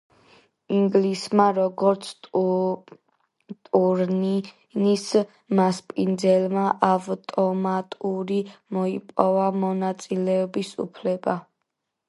ინგლისმა, როგორც ტურნირის მასპინძელმა ავტომატურად მოიპოვა მონაწილეობის უფლება.